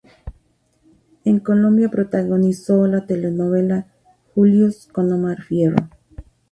En Colombia protagonizó la telenovela "Julius" con Omar Fierro.